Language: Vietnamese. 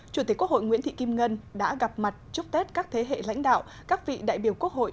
chủ tịch quốc hội nguyễn thị kim ngân đã gặp mặt chúc tết các thế hệ lãnh đạo các vị đại biểu quốc hội